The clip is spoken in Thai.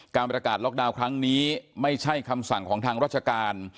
การประกาศล็อกดาวน์ครั้งนี้ไม่ใช่คำสั่งของทางราชการ